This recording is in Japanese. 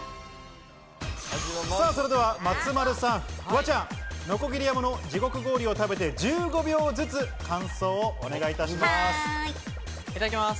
それでは松丸さん、フワちゃん、鋸山の地獄氷を食べて１５秒ずつ感想をお願いいたします。